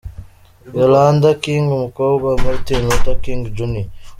Yolanda King, umukobwa wa Martin Luther King, Jr.